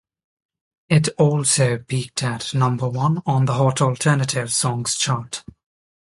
It also peaked at number one on the Hot Alternative Songs chart.